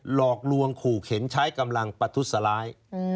หลอกลวงขู่เข็นใช้กำลังประทุษร้าย